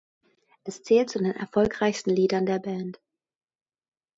Es zählt zu den erfolgreichsten Liedern der Band.